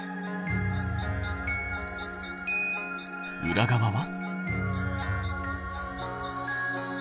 裏側は？